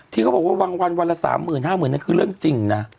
ที่เขาบอกว่าบางวันวันละ๓๐๐๕๐๐นั่นคือเรื่องจริงนะ